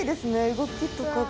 動きとかが。